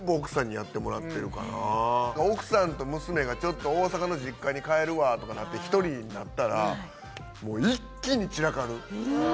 今はもう全部奥さんと娘がちょっと大阪の実家に帰るわとかなって１人になったらもう一気に散らかる